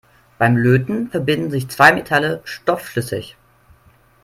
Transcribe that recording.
Beim Löten verbinden sich zwei Metalle stoffschlüssig.